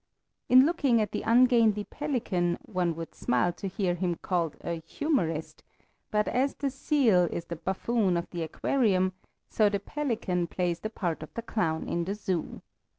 In looking at the ungainly pelican one would smile to hear him called a "humorist," but as the seal is the buffoon of the aquarium, so the pelican plays the part of the clown in the zoo.